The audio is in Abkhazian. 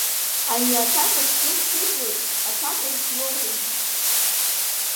Ани аҭакәажә длықәгәыӷуеит, аҭакәажә длоурыжьит.